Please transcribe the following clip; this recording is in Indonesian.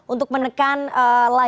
untuk menekan laju kesehatan